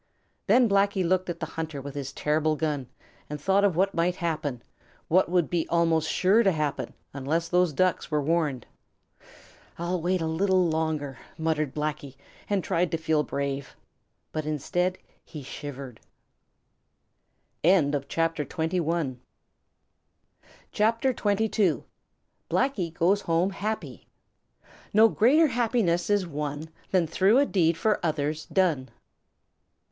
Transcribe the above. Then Blacky looked at the hunter with his terrible gun and thought of what might happen, what would be almost sure to happen, unless those Ducks were warned. "I'll wait a little while longer," muttered Blacky, and tried to feel brave. But instead he shivered. CHAPTER XXII: Blacky Goes Home Happy No greater happiness is won Than through a deed for others done.